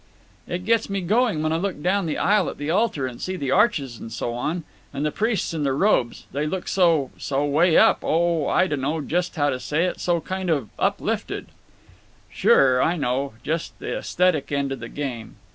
"It gets me going when I look down the aisle at the altar and see the arches and so on. And the priests in their robes—they look so—so way up—oh, I dunno just how to say it—so kind of uplifted." "Sure, I know. Just the esthetic end of the game.